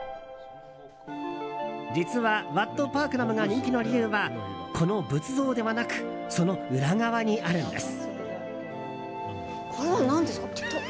実はワット・パークナムが人気の理由はこの仏像ではなくその裏側にあるんです。